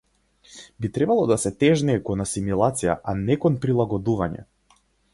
Би требало да се тежнее кон асимилација, а не кон прилагодување.